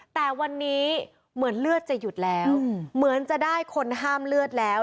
แต่วันนี้เหมือนเลือดจะหยุดแล้วเหมือนจะได้คนห้ามเลือดแล้ว